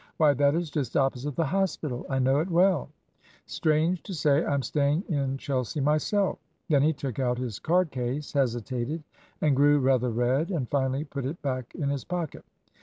'Why, that is just opposite the Hospital. I know it well. Strange to say, I am staying in Chelsea myself.' Then he took out his card case, hesitated, and grew rather red, and finally put it back in his pocket.